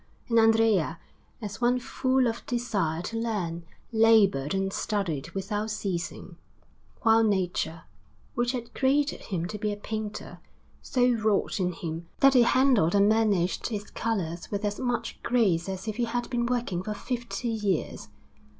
And Andrea, as one full of desire to learn, laboured and studied without ceasing; while nature, which had created him to be a painter, so wrought in him, that he handled and managed his colours with as much grace as if he had been working for fifty years.